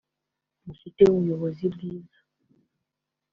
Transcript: mufite ubuyobozi bwiza